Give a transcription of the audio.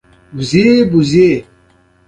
پتلون مې هم ایسته کړ، و مې ځړاوه.